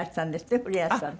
古谷さんと。